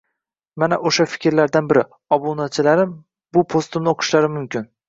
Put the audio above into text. mana oʻsha fikrlardan biri. Obunachilarim bu postimni oʻqishlari mumkin.